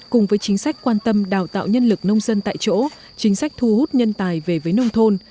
cùng với chính sách quan tâm đào tạo nhân lực nông dân tại chỗ chính sách thu hút nhân tài về với nông thôn